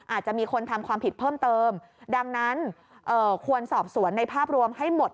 อาจจะมีคนทำความผิดเพิ่มเติมดังนั้นควรสอบสวนในภาพรวมให้หมด